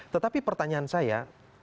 tetapi pertanyaan saya